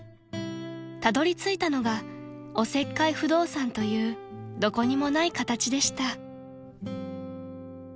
［たどりついたのがおせっかい不動産というどこにもない形でした］